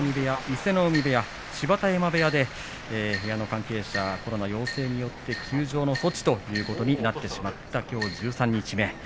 伊勢ノ海部屋、芝田山部屋で部屋の関係者はコロナ陽性によって休場の措置となってしまった、きょう十三日目。